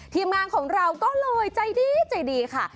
ทีมงานของเราก็เลยใจดีใจดีค่ะ